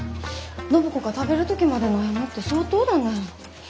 暢子が食べる時まで悩むって相当だね。